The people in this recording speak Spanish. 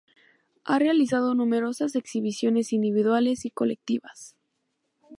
Ha realizado numerosas exhibiciones individuales y colectivas.